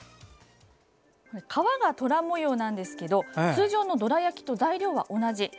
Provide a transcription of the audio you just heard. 皮はトラ模様なんですけど通常のどら焼きと材料は同じ。